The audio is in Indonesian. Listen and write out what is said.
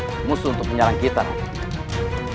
kemudian musuh semangit bisa menyeluk kita tadi gece